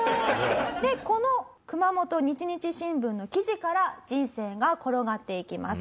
でこの『熊本日日新聞』の記事から人生が転がっていきます。